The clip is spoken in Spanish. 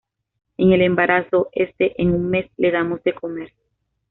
en el embarazo. este, en un mes, le damos de comer.